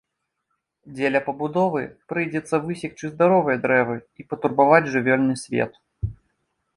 Дзеля пабудовы прыйдзецца высекчы здаровыя дрэвы і патурбаваць жывёльны свет.